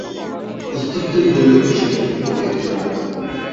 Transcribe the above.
অস্তিত্বই হইল বিশ্বজনীন বোধের চূড়ান্ত।